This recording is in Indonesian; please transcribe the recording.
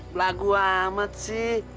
pelagu amat sih